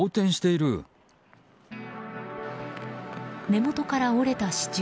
根元から折れた支柱。